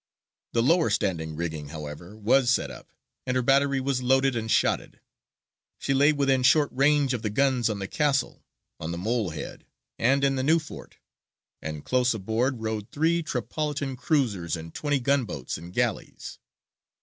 The lower standing rigging, however, was set up, and her battery was loaded and shotted. She lay within short range of the guns on the castle, on the mole head, and in the New Fort; and close aboard rode three Tripolitan cruisers and twenty gun boats and galleys.